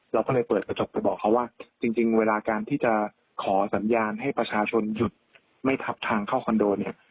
เราก็เลยเปิดกระจกไปบอกเขาว่าจริงเวลาการที่จะขอสัญญาณให้ประชาชนหยุดไม่ทับทางเข้าคอนโดเนี่ย